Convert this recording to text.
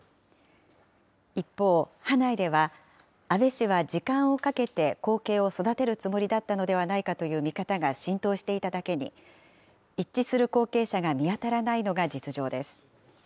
一方、派内では、安倍氏は時間をかけて後継を育てるつもりだったのではないかという見方が浸透していただけに、一致する後継者が見当たらないのが実情です。